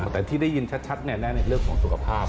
แต่ที่ได้ยินชัดแน่ในเรื่องของสุขภาพ